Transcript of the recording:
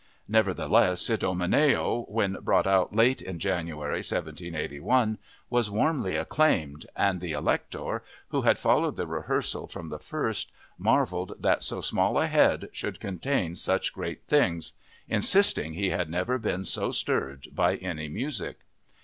Nevertheless, Idomeneo, when brought out late in January 1781, was warmly acclaimed, and the Elector, who had followed the rehearsals from the first, marveled that "so small a head should contain such great things," insisting he had never been so stirred by any music.